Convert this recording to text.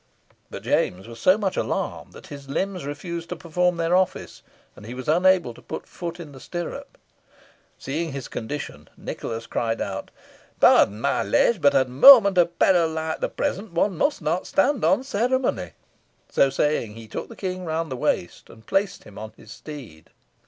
But James was so much alarmed that his limbs refused to perform their office, and he was unable to put foot in the stirrup. Seeing his condition, Nicholas cried out, "Pardon, my liege; but at a moment of peril like the present, one must not stand on ceremony." So saying, he took the King round the waist, and placed him on his steed.